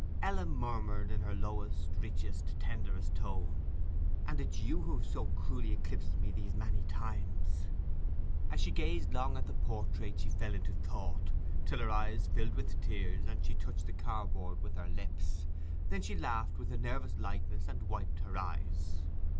Ella murmured in her lowest, richest, tenderest tone: 'And it's you who've so cruelly eclipsed me these many times!' As she gazed long at the portrait she fell into thought, till her eyes filled with tears, and she touched the cardboard with her lips. Then she laughed with a nervous lightness, and wiped her eyes.